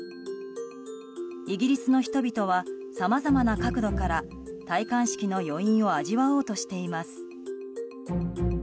イギリスの人々はさまざまな角度から戴冠式の余韻を味わおうとしています。